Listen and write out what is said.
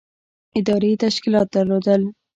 ادارې تشکیلات درلودل.